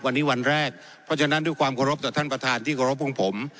วันนี้วันแรกเพราะฉะนั้นด้วยความเคารพต่อท่านประธานที่เคารพของผม